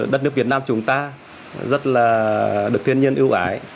đất nước việt nam chúng ta rất là được thiên nhiên ưu ái